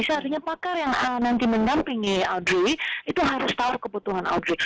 analisa artinya pakar yang nanti mendampingi audrey itu harus tahu kebutuhan audrey